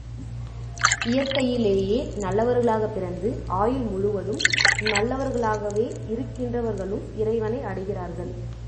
இயற்கையிலேயே நல்லவர்களாக பிறந்து, ஆயுள் முழுவதும் நல்லவர்களாகவே இருக்கின்றவர்களும் இறைவனை அடைகிறார்கள்.